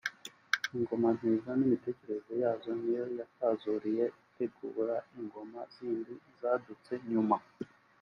Ingoma Mpinza n’imitekerereze yazo niyo yatazuriye itegura Ingoma zindi zadutse nyuma